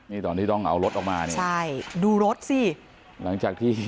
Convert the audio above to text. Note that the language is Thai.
นี่ตอนที่ต้องเอารถออกมาใช่ดูรถสิ